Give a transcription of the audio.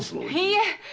いいえ！